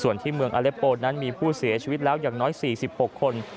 ส่วนที่เมืองอเล็ปโปนั้นมีผู้เสียชีวิตแล้วอย่างน้อย๔๖คน